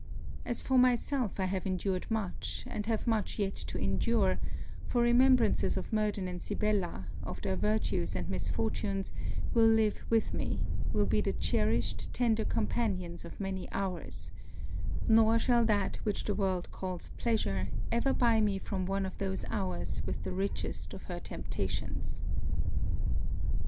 As for myself, I have endured much, and have much yet to endure, for remembrances of Murden and Sibella, of their virtues and misfortunes will live with me, will be the cherished, tender companions of many hours; nor shall that which the world calls pleasure, ever buy me from one of those hours with the richest of her temptations.